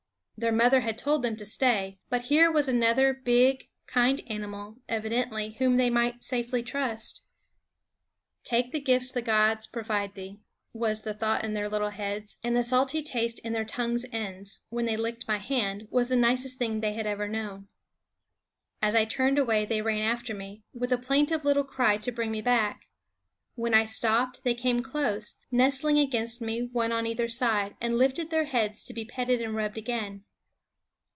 Their mother had told them to stay; but here was another big, kind animal, evidently, whom they might safely trust. "Take the gifts the gods provide thee" was the thought in their little heads; and the salty taste in their tongues' ends, when they licked my hand, was the nicest thing they had ever known. As I turned away they ran after me, with a plaintive little cry to bring me back. When I stopped they came close, nestling against me, one on either side, and lifted their heads to be petted and rubbed again.